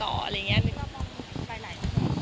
ได้บริษัทเราด้วย